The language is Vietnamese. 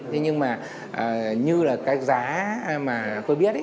thế nhưng mà như là cái giá mà tôi biết ấy